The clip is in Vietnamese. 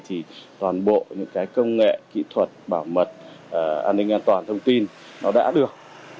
thì toàn bộ những công nghệ kỹ thuật bảo mật an ninh an toàn thông tin đã được